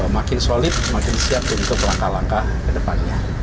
makin solid makin siap untuk langkah langkah ke depannya